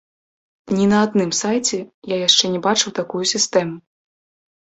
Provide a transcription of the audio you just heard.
Ні на адным сайце я яшчэ не бачыў такую сістэму.